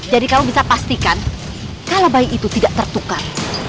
jadi kamu bisa pastikan kalau bayi itu tidak tertukar